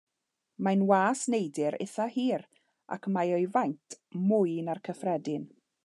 Mae'n was neidr eithaf hir, ac mae o faint mwy na'r cyffredin.